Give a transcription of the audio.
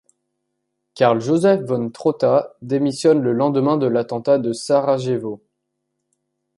Karl-Josef von Trotta démissionne le lendemain de l'Attentat de Sarajevo.